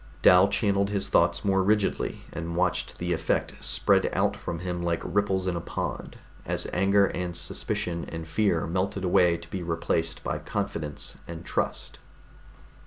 Dal channeled his thoughts more rigidly, and watched the effect spread out from him like ripples in a pond, as anger and suspicion and fear melted away to be replaced by confidence and trust.